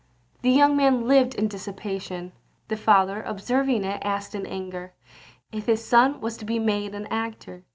The young man lived in dissipation; the father observing it asked in anger, if his son was to be made an actor.